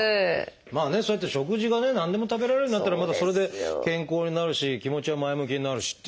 まあねそうやって食事がね何でも食べられるようになったらまたそれで健康になるし気持ちが前向きになるしっていうね。